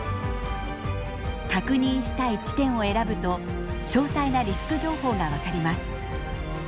確認したい地点を選ぶと詳細なリスク情報が分かります。